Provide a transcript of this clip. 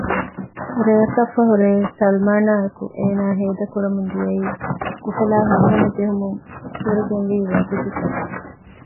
ރެއަކަށްފަހު ރެޔެއް ސަލްމާނާއެކު އޭނާ ހޭދަކުރަމުން ދިޔައީ އުފަލާއި ހިތްހަމަޖެހުމުން ފުރިގެންވީ ވަގުތުތަކެއް